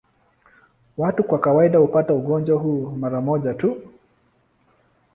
Watu kwa kawaida hupata ugonjwa huu mara moja tu.